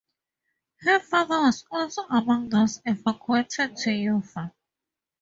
Her father was also among those evacuated to Ufa.